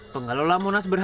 pengalaman di monas